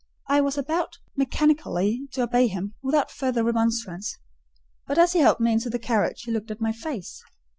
I was about mechanically to obey him, without further remonstrance; but as he helped me into the carriage, he looked at my face.